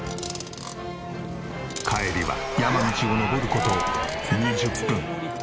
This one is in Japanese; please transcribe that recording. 帰りは山道を登る事２０分。